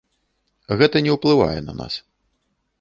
Гэта не ўплывае на нас.